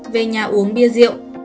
về nhà uống bia rượu